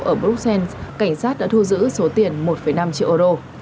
trong một cuộc chiến đấu ở bruxelles cảnh sát đã thu giữ số tiền một năm triệu euro